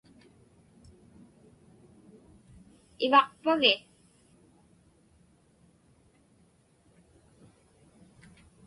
Ivaqpagi?